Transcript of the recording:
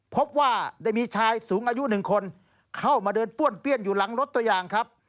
พบว่าได้มีชายสูงอายุหนึ่งคนเข้ามาเดินป้วนเปี้ยนอยู่หลังรถตัวอย่างครับ